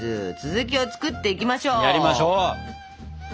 やりましょう。